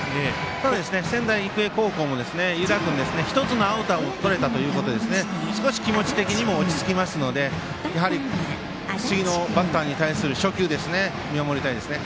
ただ仙台育英高校も、湯田君１つアウトはとれましたから少し気持ち的にも落ち着きますのでやはり次のバッターに対する初球を見守りたいですね。